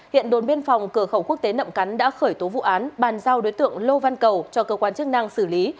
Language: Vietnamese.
hiện đồn biên phòng cửa khẩu quốc tế nậm cắn đã khởi tố vụ án bàn giao đối tượng lô văn cầu cho cơ quan chức năng xử lý